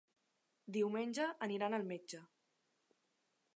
Diumenge aniran al metge.